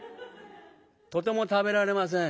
とても食べられません。